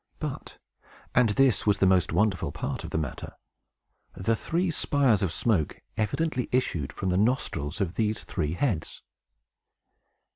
But and this was the most wonderful part of the matter the three spires of smoke evidently issued from the nostrils of these three heads!